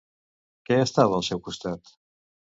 Què estava al seu costat?